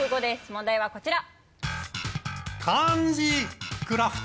問題はこちら。